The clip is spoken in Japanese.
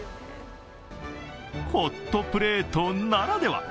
ホットプレートならでは。